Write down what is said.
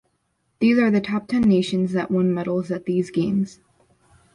These are the top ten nations that won medals at these Games.